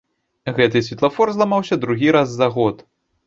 Гэты святлафор зламаўся другі раз за год.